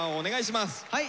はい。